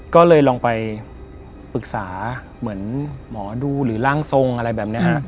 ก็เลยลองไปปรึกษาเหมือนหมอดูหรือร่างทรงอะไรแบบนี้